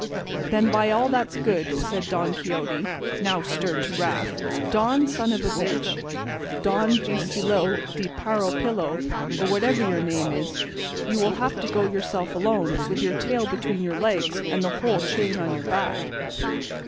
"Then by all that's good," said Don Quixote (now stirred to wrath), "Don son of a bitch, Don Ginesillo de Paropillo, or whatever your name is, you will have to go yourself alone, with your tail between your legs and the whole chain on your back."